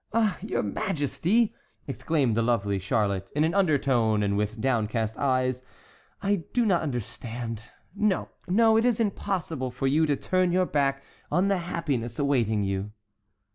"Oh, your majesty!" exclaimed the lovely Charlotte in an undertone and with downcast eyes, "I do not understand—No! no, it is impossible for you to turn your back on the happiness awaiting you."